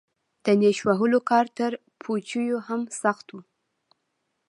د نېش وهلو کار تر پوجيو هم سخت و.